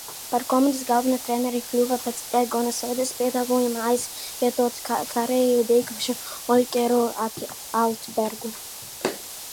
Par komandas galveno treneri kļuva pēc Egona Slēdes piedāvājuma aizvietot karjeru beigušo Oļģertu Altbergu.